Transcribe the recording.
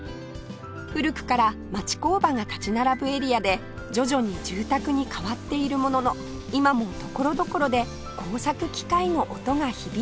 古くから町工場が立ち並ぶエリアで徐々に住宅に変わっているものの今も所々で工作機械の音が響いています